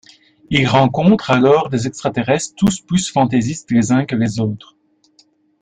Ils rencontrent alors des extraterrestres tous plus fantaisistes les uns que les autres.